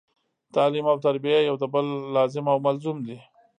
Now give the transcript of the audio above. تعلیم او تربیه یو د بل لازم او ملزوم دي